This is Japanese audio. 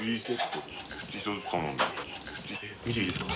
見ていいですか？